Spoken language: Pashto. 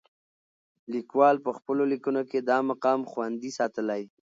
لیکوال په خپلو لیکنو کې دا مقام خوندي ساتلی.